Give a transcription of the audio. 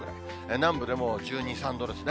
南部でも１２、３度ですね。